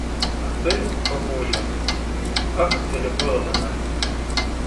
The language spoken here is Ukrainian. А ти, бабуню; ах, ти любила мене!